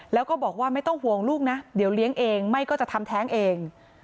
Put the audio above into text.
แล้วก็บอกว่าไม่ต้องห่วงลูกนะเดี๋ยวเลี้ยงเองไม่ก็จะทำแท้งเอง